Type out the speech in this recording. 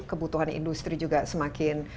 kebutuhan industri juga semakin